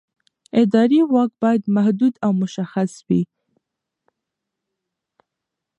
اداري واک باید محدود او مشخص وي.